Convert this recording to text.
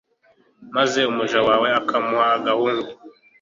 maze umuja wawe ukamuha agahungu